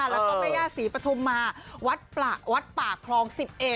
แล้วก็แม่ย่าศรีปฐุมมาวัดป่าคลอง๑๑